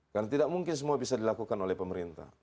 karena tidak mungkin semua bisa dilakukan oleh pemerintah